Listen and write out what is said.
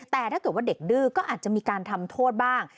แต่ถ้าเกิดว่าเด็กดื้อก็อาจจะมีการทำโทษบ้าง